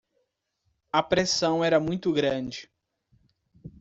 A pressão era muito grande